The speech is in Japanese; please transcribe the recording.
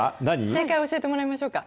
正解、教えてもらいましょうか。